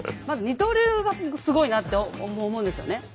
まず二刀流がすごいなって思うんですよね。